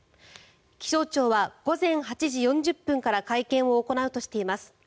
気象庁は午前８時４０分から会見を行うとしています。